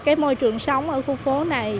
cái môi trường sống ở khu phố này